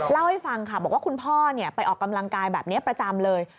เล่าให้ฟังค่ะบอกว่าคุณพ่อไปออกกำลังกายแบบนี้ประจำเลย